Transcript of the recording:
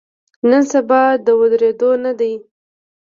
نن سبا د ودریدو نه دی.